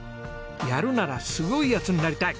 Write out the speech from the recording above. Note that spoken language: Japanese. やるならすごいヤツになりたい！